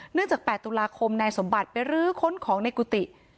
จาก๘ตุลาคมนายสมบัติไปรื้อค้นของในกุฏิ